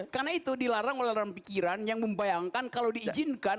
karena itu dilarang oleh alam pikiran yang membayangkan kalau diizinkan